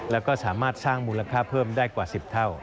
แล้วก็สามารถสร้างมูลค่าเพิ่มได้กว่า๑๐เท่า